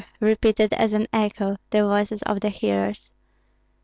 repeated, as an echo, the voices of the hearers.